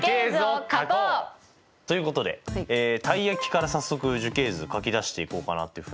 ということでたい焼きから早速樹形図書き出していこうかなというふうに思います。